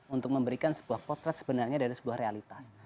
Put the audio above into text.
untuk memberikan sebuah potret sebenarnya dari sebuah realitas